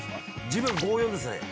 自分５４ですね。